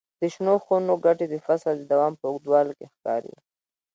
د شنو خونو ګټې د فصل د دوام په اوږدوالي کې ښکاري.